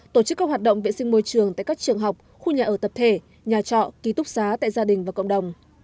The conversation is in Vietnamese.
tổ chức các hoạt động vệ sinh môi trường tại các trường học khu nhà ở tập thể nhà trọ ký túc xá tại gia đình và cộng đồng